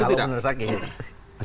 ada batas waktu tidak